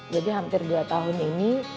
jadi hampir dua tahun ini